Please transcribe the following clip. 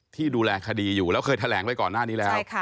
ที่ดูแลคดีอยู่แล้วเคยแถลงไปก่อนหน้านี้แล้ว